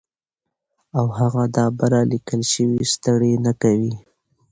او هغه دا بره ليکلے شوي ستړې نۀ کوي